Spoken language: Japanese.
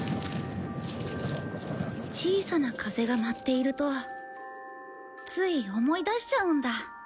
小さな風が舞っているとつい思い出しちゃうんだ